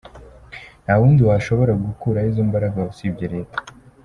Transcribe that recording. Nta wundi washobora gukuraho izo mbaraga usibye Reta.